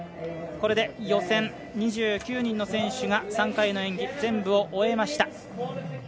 これで予選、２９人の選手が３回の演技全部を終えました。